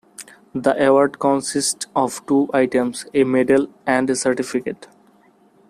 The award consists of two items: a medal and a certificate.